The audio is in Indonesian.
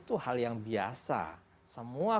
itu hal yang biasa semua